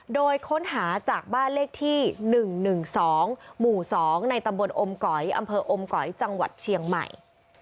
โดยค้นหาจากบ้านเลขที่๑๑๒หมู่๒ในตำบลอมก๋อยอำเภออมก๋อยจังหวัดเชียงใหม่